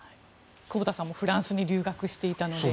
久保田さんもフランスに留学していたので。